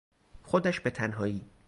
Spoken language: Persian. خودش به تنهایی